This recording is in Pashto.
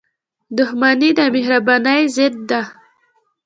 • دښمني د مهربانۍ ضد ده.